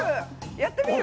やってみる？